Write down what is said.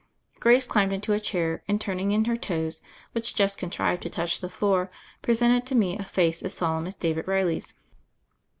Grace climbed into a chair, and turning in her toes, which just contrived to touch the floor, g resented to me a face as solemn as David [eiUy's.